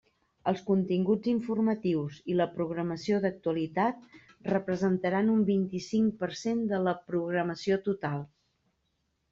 Els continguts informatius i la programació d'actualitat representaran un vint-i-cinc per cent de la programació total.